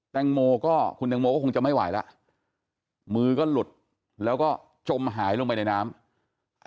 แตงโมก็คุณแตงโมก็คงจะไม่ไหวแล้วมือก็หลุดแล้วก็จมหายลงไปในน้ำ